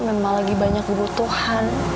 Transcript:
memang lagi banyak butuhan